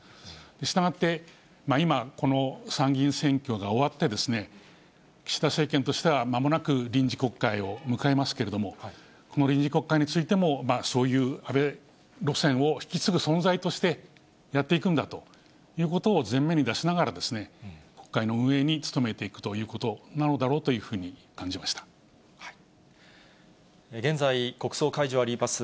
したがって、今、この参議院選挙が終わって、岸田政権としてはまもなく臨時国会を迎えますけれども、この臨時国会についても、そういう安倍路線を引き継ぐ存在としてやっていくんだということを前面に出しながら、国会の運営に努めていくということなのだろ現在、国葬会場があります